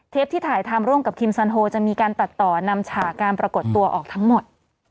ที่ถ่ายทำร่วมกับคิมซันโฮจะมีการตัดต่อนำฉากการปรากฏตัวออกทั้งหมด